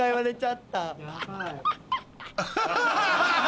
ハハハハ！